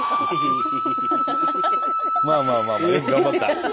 まあまあよく頑張った。